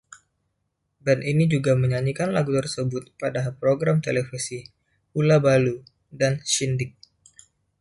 Band ini juga menyanyikan lagu tersebut pada program televisi "Hullabaloo" dan "Shindig!